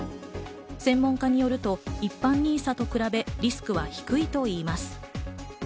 専門家によると、一般ＮＩＳＡと比べリスクは低いと言います。